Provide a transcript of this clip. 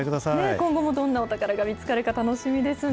今後もどんなお宝が見つかるか、楽しみですね。